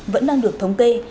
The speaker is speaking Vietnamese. vẫn đang được thống kê